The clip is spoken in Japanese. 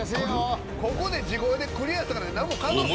ここで地声でクリアしたから何も変わらんねん。